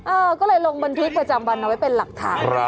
เออก็เลยลงบันทึกประจำวันเอาไว้เป็นหลักฐาน